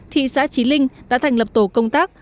thị xã trí linh đã thành lập tổ công tác